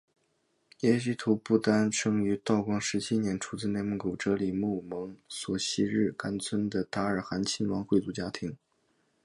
耶希图布丹生于道光十七年出自内蒙古哲里木盟索希日干村的达尔罕亲王贵族家庭。